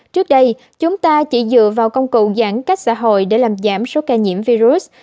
trước đây chúng ta chỉ dựa vào công cụ giãn cách xã hội để làm giảm số ca nhiễm virus